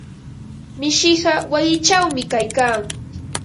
Mishiqa wayichawmi kaykan.